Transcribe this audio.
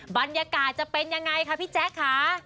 บรรยากาศจะเป็นยังไงคะพี่แจ๊คค่ะ